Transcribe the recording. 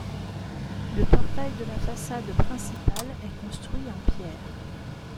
Le portail de la façade principale est construit en pierre.